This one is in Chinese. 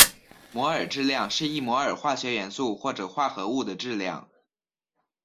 摩尔质量是一摩尔化学元素或者化合物的质量。